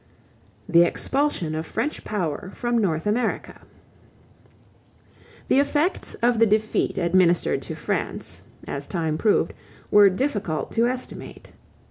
=The Expulsion of French Power from North America.= The effects of the defeat administered to France, as time proved, were difficult to estimate.